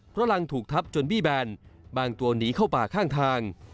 เพราะรังถูกทับจนบี้แบนบางตัวหนีเข้าป่าข้างทาง